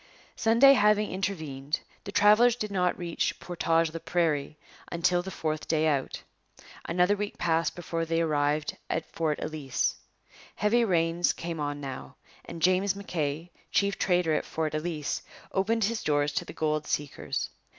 Sunday having intervened, the travellers did not reach Portage la Prairie until the fourth day out. Another week passed before they arrived at Fort Ellice. Heavy rains came on now, and James M'Kay, chief trader at Fort Ellice, opened his doors to the gold seekers.